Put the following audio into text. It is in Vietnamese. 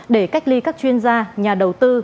để cách ly các chuyên gia nhà đầu tư